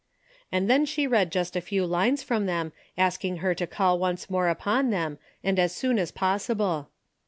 And then she read just a few lines from them asking her to call once more upon them and as soon as possible.